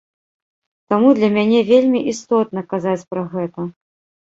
Таму для мяне вельмі істотна казаць пра гэта.